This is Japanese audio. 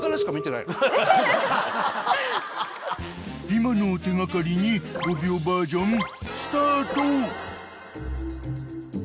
［今のを手掛かりに５秒バージョンスタート］